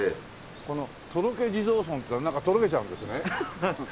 この「とろけ地蔵尊」っていうのはなんかとろけちゃうんですね。